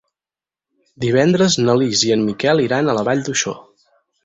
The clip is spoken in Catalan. Divendres na Lis i en Miquel iran a la Vall d'Uixó.